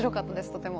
とても。